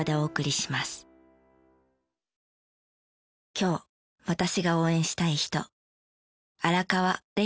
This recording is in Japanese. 今日私が応援したい人。